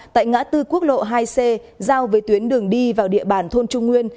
tại ngã tư quốc lộ hai c giao với tuyến đường đi vào địa bàn thôn trung nguyên